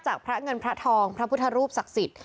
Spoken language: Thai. พระเงินพระทองพระพุทธรูปศักดิ์สิทธิ์